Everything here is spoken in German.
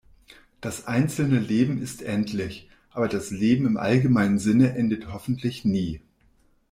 Das einzelne Leben ist endlich, aber das Leben im allgemeinen Sinne endet hoffentlich nie.